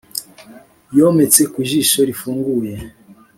yometse ku jisho rifunguye